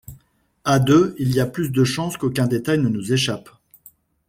À deux, il y a plus de chances qu’aucun détail ne nous échappe.